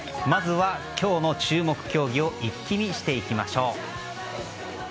まずは今日の注目競技を一気見していきましょう。